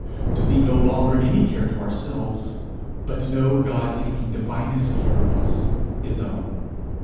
to be no longer any care to ourselves, but know God taking divinest care of us, his own!